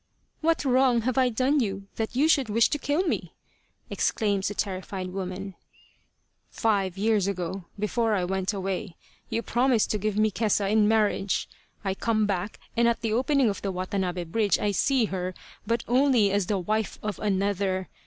" What wrong have I done you that you should wish to kill me ?" exclaims the terrified woman. " Five years ago, before I went away, you promised to give me Kesa in marriage. I come back, and at the opening of the Watanabe bridge I see her, but only as the wife of another.